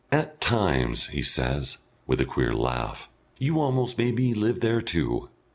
"At times," he says, with a queer laugh, "you've almost made me live there too."